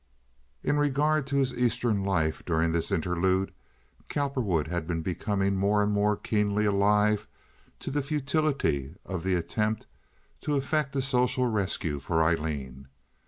In regard to his Eastern life during this interlude, Cowperwood had been becoming more and more keenly alive to the futility of the attempt to effect a social rescue for Aileen.